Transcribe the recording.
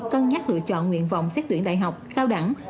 các trường trung học phổ thông chọn nguyện vọng xét tuyển đại học cao đẳng